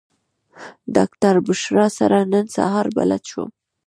ډاکټره بشرا سره نن سهار بلد شوم.